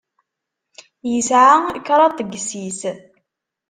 Yesɛa kraḍt n yessi-s.